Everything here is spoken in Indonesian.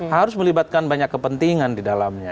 harus melibatkan banyak kepentingan di dalamnya